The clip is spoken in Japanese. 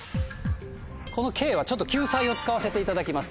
この「ｋ」はちょっと救済を使わせていただきます。